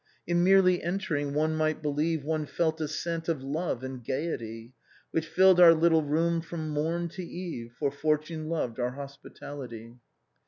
In merely entering one might believe One felt a scent of love and gaiety. Which filled our little room from morn to eve. For fortune loved our hospitality.